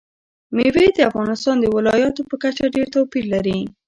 مېوې د افغانستان د ولایاتو په کچه ډېر توپیر لري.